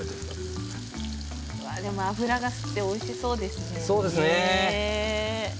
油が吸っておいしそうですね。